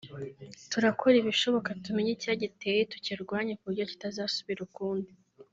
turakora ibishoboka tumenye icyagiteye tukirwanye kuburyo kitazasubira ukundi